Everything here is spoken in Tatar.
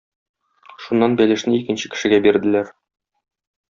Шуннан бәлешне икенче кешегә бирделәр.